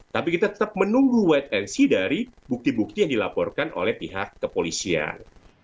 tapi kita tetap menunggu wait and see dari bukti bukti yang dilaporkan oleh pihak kepolisian